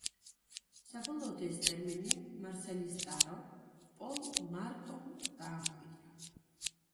საბოლოოდ ეს ტერმინი „მარსელის ტარო“ პოლ მარტომ დაამკვიდრა.